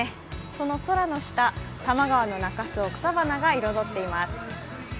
その空の下、多摩川の中州を草花が彩っています。